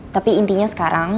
tapi intinya sekarang